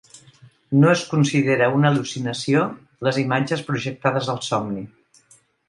No es considera una al·lucinació les imatges projectades al somni.